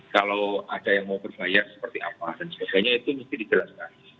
kalau ada yang mau berbayar seperti apa dan sebagainya itu mesti dijelaskan